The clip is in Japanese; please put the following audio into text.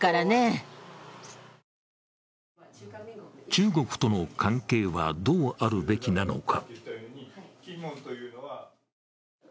中国との関係は、どうあるべきなのか。